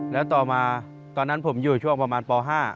แล้วต่อมาตอนนั้นผมอยู่ช่วงประมาณป๕